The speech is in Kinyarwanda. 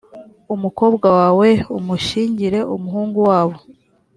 umukobwa wawe umushyingire umuhungu wabo